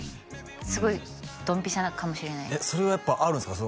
すごいドンピシャかもしれないそれはやっぱあるんですか？